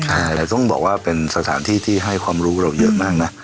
แต่ต้องบอกว่าเป็นสถานที่ที่ให้ความรู้เราเยอะมากนะ